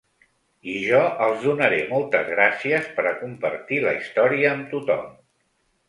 I jo els donaré moltes gràcies per a compartir la història amb tothom.